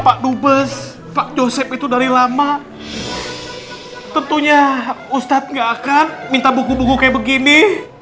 pak dubes pak joseph itu dari lama tentunya ustadz gak akan minta buku buku kayak begini